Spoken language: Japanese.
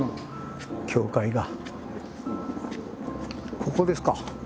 ここですか？